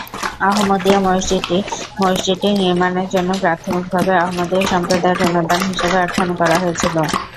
আহমদিয়া মসজিদটি মসজিদটি নির্মাণের জন্য প্রাথমিকভাবে আহমদিয়া সম্প্রদায়ের অনুদান হিসেবে অর্থায়ন করা হয়েছিল।